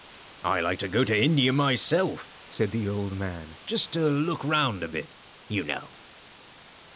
"I'd like to go to India myself," said the old man, "just to look round a bit, you know."